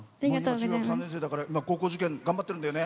中学３年生だから高校受験頑張ってるんだよね。